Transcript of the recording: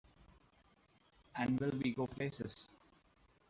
And will we go places!